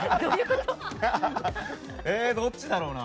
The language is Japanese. どっちだろうな。